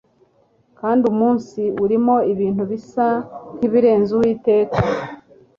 Kandi umunsi urimo ibintu bisa nkibirenze Uwiteka